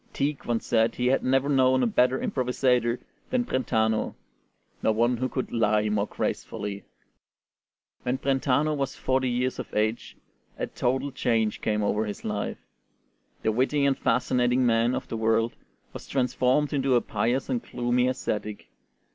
Tieck once said he had never known a better improvisatore than Brentano, nor one who could "lie more gracefully." When Brentano was forty years of age a total change came over his life. The witty and fascinating man of the world was transformed into a pious and gloomy ascetic.